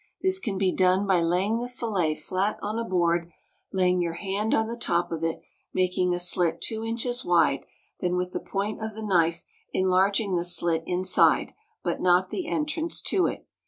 This can be done by laying the fillet flat on a board, laying your hand on the top of it, making a slit two inches wide, then with the point of the knife enlarging the slit inside, but not the entrance to it.